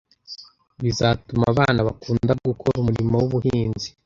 bizatuma abana bakunda gukora umurimo w’ubuhinzi